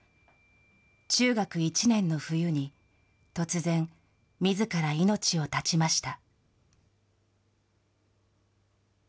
中学１年の冬に、突然、みずから命を絶ちました。